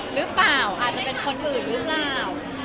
หรือเปล่าอาจจะเป็นคนอื่นหรือเปล่า